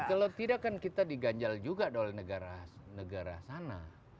kalau tidak kan kita diganjal juga oleh negara sana